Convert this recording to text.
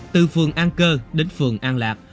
từ phường an cơ đến phường an lạc